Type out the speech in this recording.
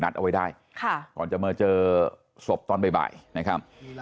นัดเอาไว้ได้ค่ะก่อนจะเมอร์เจอสวบตอนบ่ายบ่ายนะครับ